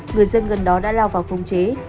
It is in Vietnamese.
người dân gần đó đã lao vào khống chế